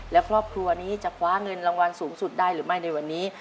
และครอบครัวนี้จะคว้าเงินรางวัลสูงสุดได้หรือไม่ในวันนี้